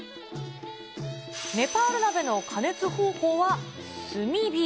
ネパール鍋の加熱方法は炭火。